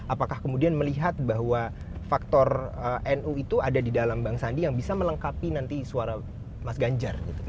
apakah kemudian melihat bahwa faktor nu itu ada di dalam bang sandi yang bisa melengkapi nanti suara mas ganjar gitu